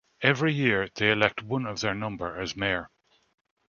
Every year, they elect one of their number as mayor.